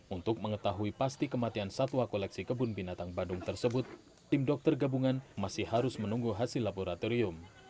untuk mengetahui pasti kematian satwa koleksi kebun binatang bandung tersebut tim dokter gabungan masih harus menunggu hasil laboratorium